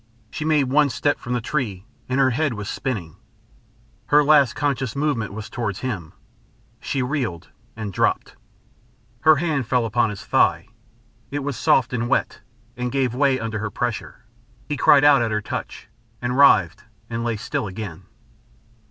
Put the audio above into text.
She made one step from the tree, and her head was spinning. Her last conscious movement was towards him. She reeled, and dropped. Her hand fell upon his thigh. It was soft and wet, and gave way under her pressure; he cried out at her touch, and writhed and lay still again.